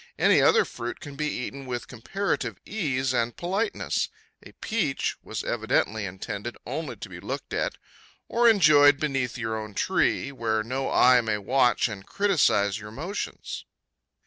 Any other fruit can be eaten with comparative ease and politeness; a peach was evidently intended only to be looked at, or enjoyed beneath your own tree, where no eye may watch and criticize your motions.